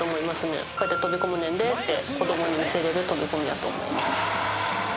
こうやって飛び込むねんでって子どもに見せれる飛び込みやと思います